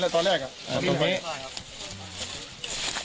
แล้วก็กระท่อมหลังบ้านที่ในแหบไปหลบซ่อนตัวจนตำรวจบุกไปจับได้